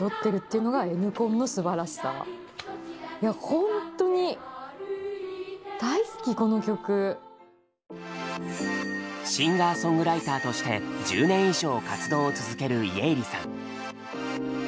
ほんとにシンガーソングライターとして１０年以上活動を続ける家入さん。